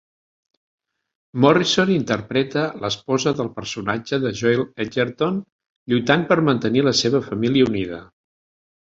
Morrison interpreta l'esposa del personatge de Joel Edgerton, lluitant per mantenir la seva família unida.